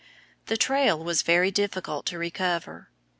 The trail was very difficult to recover.